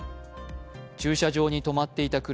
駐車場に止まっていた車